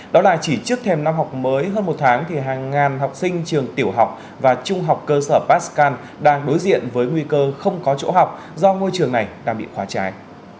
đó là chỉ trước thêm năm học mới hơn một tháng thì hàng ngàn học sinh trường tiểu học và trung học cơ sở pascan đang đối diện với nguy cơ không có chỗ học do ngôi trường này đang bị khóa trái